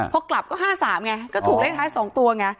พอกลับก็๕๓ไงก็ถูกเลขท้าย๒ตัวไง